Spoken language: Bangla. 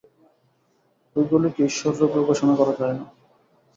ঐগুলিকে ঈশ্বররূপে উপাসনা করা যায় না।